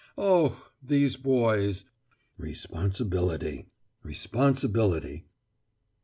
Oh! these boys! Responsibility. Responsibility.